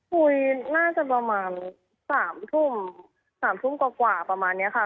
คุยน่าจะประมาณ๓ทุ่ม๓ทุ่มกว่าประมาณนี้ค่ะ